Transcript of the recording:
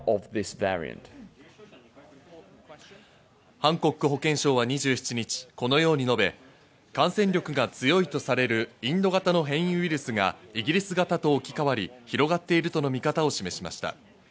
ハンコック保健相は２７日、このように述べ、感染力が強いとされるインド型の変異ウイルスがイギリス型と置き換わり、広がっているとの見方を示しました。